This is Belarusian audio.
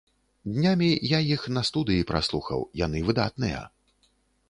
Днямі я іх на студыі праслухаў, яны выдатныя.